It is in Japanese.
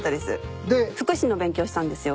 福祉の勉強したんですよ。